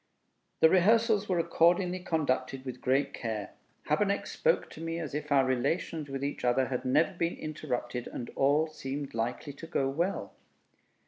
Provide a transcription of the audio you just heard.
The rehearsals were accordingly conducted with great care. Habeneck spoke to me as if our relations with each other had never been interrupted, and all seemed likely to go well.